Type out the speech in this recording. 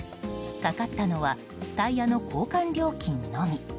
かかったのはタイヤの交換料金のみ。